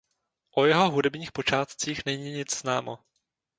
O jeho hudebních počátcích není nic známo.